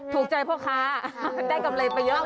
ถูกใจพ่อค้าได้กำไรไปเยอะ